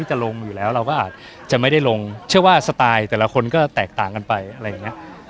ต้องพูดก่อนว่าทุกวันนี้เหมือนแบบ